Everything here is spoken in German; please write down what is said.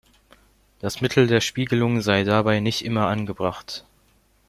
Das Mittel der Spiegelung sei dabei nicht immer angebracht.